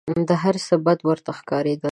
هر څه بد ورته ښکارېدل .